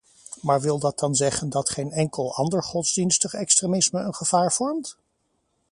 Maar wil dat dan zeggen dat geen enkel ander godsdienstig extremisme een gevaar vormt?